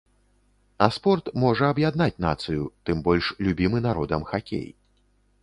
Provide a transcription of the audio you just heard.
А спорт можа аб'яднаць нацыю, тым больш любімы народам хакей.